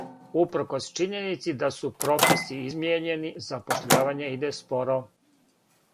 Упркос чињеници да су прописи измијењени, запошљавање иде споро.